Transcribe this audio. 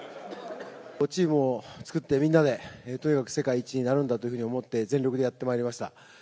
チームを作って、みんなでとにかく世界一になるんだと思って、全力でやってまいりました。